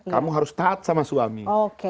kamu harus taat sama suami